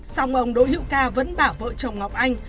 song ông đội hữu ca vẫn bảo vợ chồng ngọc anh